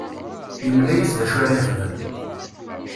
Yemla-as d acu ara yexdem.